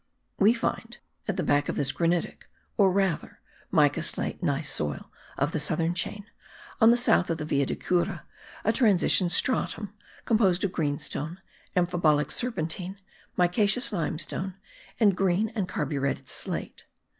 We find at the back of this granitic, or rather mica slate gneiss soil of the southern chain, on the south of the Villa de Cura, a transition stratum, composed of greenstone, amphibolic serpentine, micaceous limestone, and green and carburetted slate.